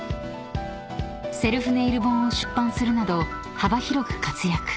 ［セルフネイル本を出版するなど幅広く活躍］